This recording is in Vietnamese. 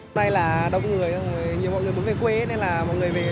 hôm nay là đông người nhiều mọi người bước về quê